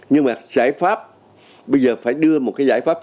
nhưng mà giải pháp bây giờ phải đưa một cái giải pháp